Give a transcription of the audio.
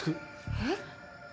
えっ？